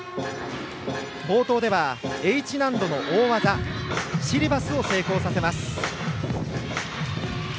冒頭では、Ｈ難度の大技シリバスを成功させます。